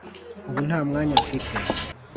ubu nta mwanya mfite.